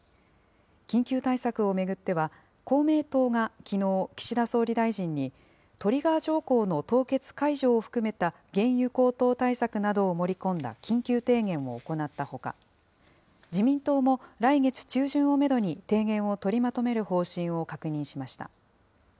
緊急対策を巡っては、公明党がきのう、岸田総理大臣に、トリガー条項の凍結解除を含めた、原油高騰対策などを盛り込んだ緊急提言を行ったほか、自民党も来月中旬をメドに提言を取りまとめる方針を確認しました。